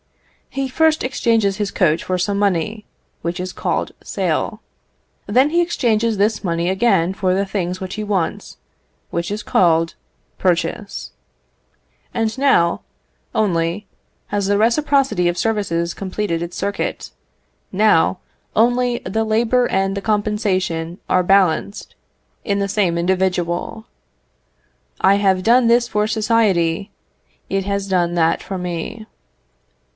He first exchanges his coat for some money, which is called sale; then he exchanges this money again for the things which he wants, which is called purchase; and now, only, has the reciprocity of services completed its circuit; now, only, the labour and the compensation are balanced in the same individual, "I have done this for society, it has done that for me."